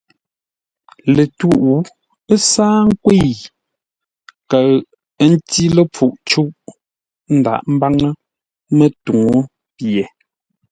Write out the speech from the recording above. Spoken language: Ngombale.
Lətwûʼ ə́ sáa nkwə̂i, kəʉ ə́ ntí ləpfuʼ cûʼ; ə́ ndaghʼḿbáŋə́ mətuŋú pye.